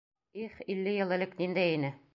Их илле йыл элек ниндәй ине...